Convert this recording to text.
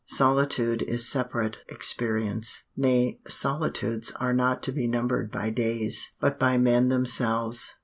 Solitude is separate experience. Nay, solitudes are not to be numbered by days, but by men themselves.